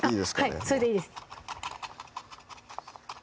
はいそれでいいです